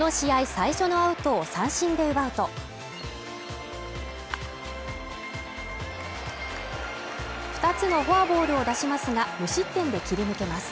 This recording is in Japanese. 最初のアウトを三振で奪うと、二つのフォアボールを出しますが、無失点で切り抜けます。